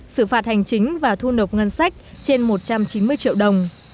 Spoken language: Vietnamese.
xử phạt hành chính và thu nộp ngân sách trên một trăm chín mươi triệu đồng